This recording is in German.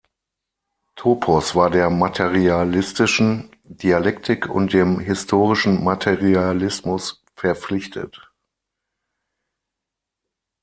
Topos war der materialistischen Dialektik und dem historischen Materialismus verpflichtet.